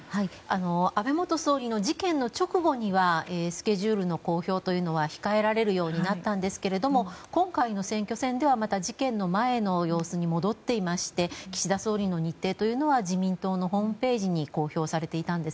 安倍元総理の事件の直後はスケジュールの公表は控えられるようになったんですけれども今回の選挙戦では、また事件の前の様子に戻っていまして岸田総理の日程は自民党のホームページに公表さえていました。